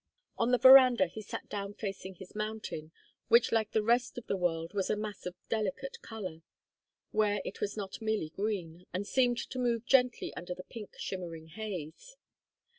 On the veranda he sat down facing his mountain, which like the rest of the world was a mass of delicate color, where it was not merely green, and seemed to move gently under the pink shimmering haze.